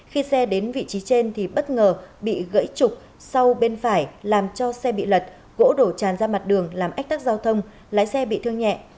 khi xe đến vị trí trên thì bất ngờ bị gãy trục sau bên phải làm cho xe bị lật gỗ đổ tràn ra mặt đường làm ách tắc giao thông lái xe bị thương nhẹ